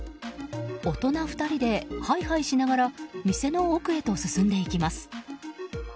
大人２人でハイハイしながら店の奥へと進んでいきます。